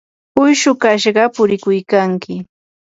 uyshu kashqa purikuykanki.